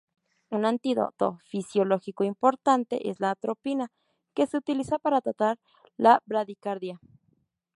Un antídoto fisiológico importante es la atropina, que se utiliza para tratar la bradicardia.